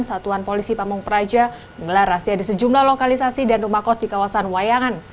satuan polisi pamung praja menggelar razia di sejumlah lokalisasi dan rumah kos di kawasan wayangan